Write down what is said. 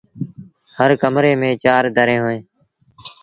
هر ڪمري ميݩ چآر دريٚݩ اوهيݩ ۔